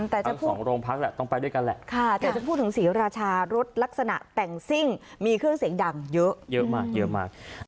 แต่จะพูดถึงสีราชารถลักษณะแต่งซิ่งมีเครื่องเสียงดังเยอะ